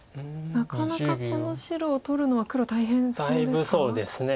なかなかこの白を取るのは黒大変そうですか？